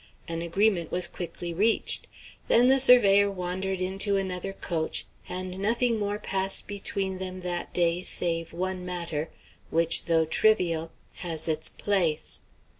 An agreement was quickly reached. Then the surveyor wandered into another coach, and nothing more passed between them that day save one matter, which, though trivial, has its place.